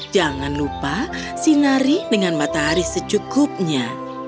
jangan lupa sinari dengan matahari secukupnya